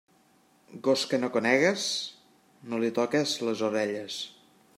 Gos que no conegues, no li toques les orelles.